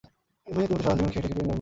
মেয়ে, তুমি তো সারাজীবন খেটে খেটেই মরলে।